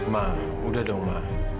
ma udah dong ma